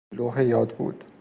لوح یادبود